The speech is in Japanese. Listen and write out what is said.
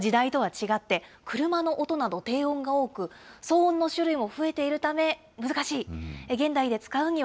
忍者がいた時代とは違って、車の音など低音が多く、騒音の種類も増えているため、難しい。